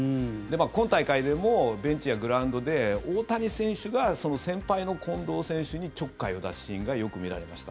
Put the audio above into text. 今大会でもベンチやグラウンドで大谷選手が先輩の近藤選手にちょっかいを出すシーンがよく見られました。